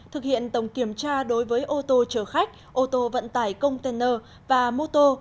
thực hiện tổng kiểm tra đối với ô tô chở khách ô tô vận tải container và mô tô